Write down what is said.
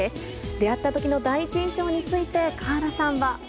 出会ったときの第一印象について、華原さんは。